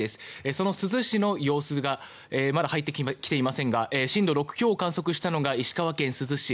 その珠洲市の様子がまだ入ってきていませんが震度６強を観測したのが石川県珠洲市。